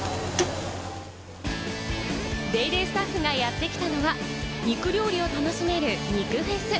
『ＤａｙＤａｙ．』スタッフがやってきたのは肉料理を楽しめる、肉フェス。